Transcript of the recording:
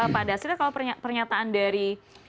pak dasril kalau pernyataan dari